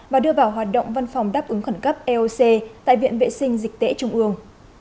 và đưa vào hoạt động văn phòng đáp ứng khẩn cấp eoc tại viện vệ sinh dịch tễ trung ương